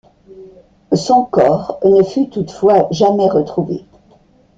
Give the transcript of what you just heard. Son corps ne fut toutefois jamais retrouvé.